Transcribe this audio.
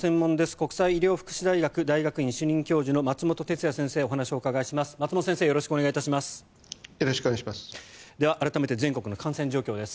国際医療福祉大学大学院主任教授の松本哲哉先生にお話を伺います。